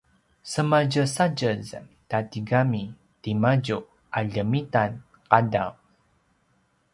sematjesatjez ta tigami timadju a ljemitaqadaw